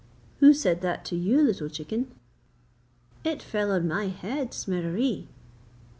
'Who said that to you, little chicken?' 'It fell on my head, Smereree!'